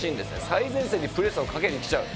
最前線にプレスをかけにきちゃう。